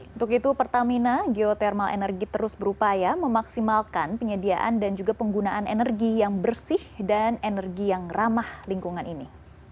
untuk itu pertamina geothermal energy terus berupaya memaksimalkan penyediaan dan juga penggunaan energi yang bersih dan energi yang ramah lingkungan ini